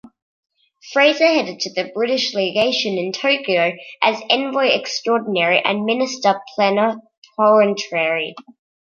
Fraser headed the British Legation in Tokyo as Envoy Extraordinary and Minister Plenipotentiary.